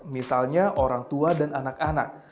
misalnya orang tua dan anak anak